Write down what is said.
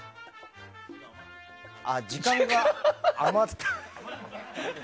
あ、時間が余った。